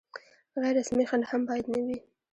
غیر رسمي خنډ هم باید نه وي.